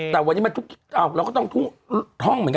เราก็ต้องท่องเหมือนกันว่าทุกการลงทุนมีความเสี่ยง